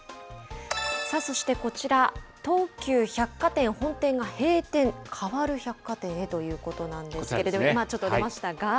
そしてこちら、東急百貨店本店が閉店へ、変わる百貨店へということなんですけれども。